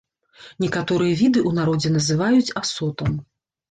Некаторыя віды ў народзе называюць асотам.